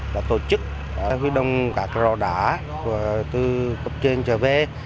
đã tổ chức huy động các rò đá từ cấp trên trở về